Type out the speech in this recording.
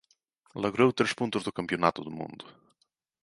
Logrou tres puntos do Campionato do Mundo.